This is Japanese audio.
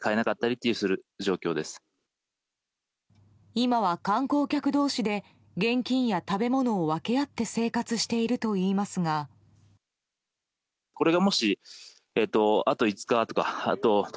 今は観光客同士で現金や食べ物を分け合って生活しているといいますが。